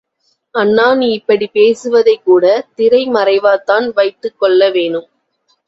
அண்ணா, நீ இப்படிப் பேசுறதைக் கூட திரை மறைவாத்தான் வைத்துக் கொள்ள வேணும்.